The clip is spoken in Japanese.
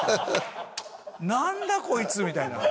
「なんだ？こいつ」みたいな。